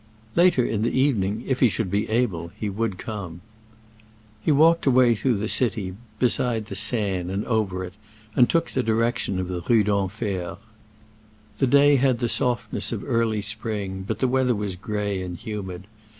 Later in the evening, if he should be able, he would come. He walked away through the city, beside the Seine and over it, and took the direction of the Rue d'Enfer. The day had the softness of early spring; but the weather was gray and humid.